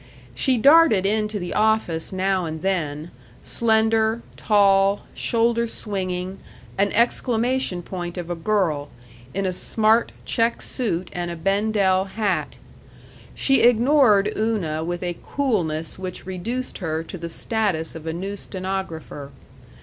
She darted into the office now and then, slender, tall, shoulder swinging, an exclamation point of a girl, in a smart, check suit and a Bendel hat. She ignored Una with a coolness which reduced her to the status of a new stenographer.